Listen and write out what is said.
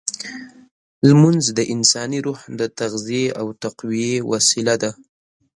لمونځ د انساني روح د تغذیې او تقویې وسیله ده.